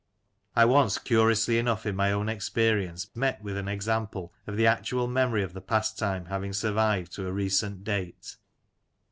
I once, curiously enough, in my own experience, met with an example of the actual memory of the pastime haying survived to a recent date.